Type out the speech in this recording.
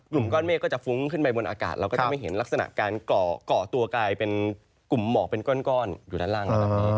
กลุ่มก้อนเมฆก็จะฟุ้งขึ้นไปบนอากาศเราก็จะไม่เห็นลักษณะการก่อตัวกลายเป็นกลุ่มหมอกเป็นก้อนอยู่ด้านล่างนะครับ